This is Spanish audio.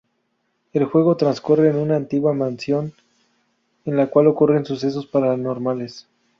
El juego transcurre en una antigua mansión en la cual ocurren sucesos paranormales.